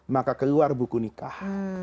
maka keluar buku nikah